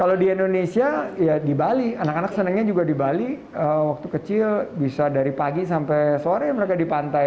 kalau di indonesia ya di bali anak anak senangnya juga di bali waktu kecil bisa dari pagi sampai sore mereka di pantai